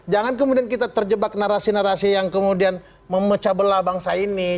jangan kemudian kita terjebak narasi narasi yang kemudian memecah belah bangsa ini